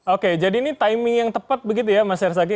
oke jadi ini timing yang tepat begitu ya mas herzaki